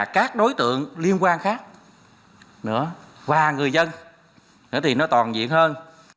các đối tượng liên quan khác nữa và người dân thì nó toàn diện hơn